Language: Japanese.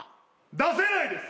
出せないです！